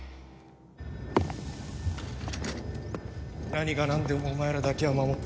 何がなんでもお前らだけは守ってやる。